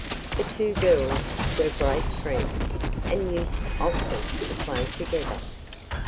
The two girls were great friends and used often to play together.